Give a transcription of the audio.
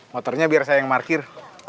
moternya biar saya yang markir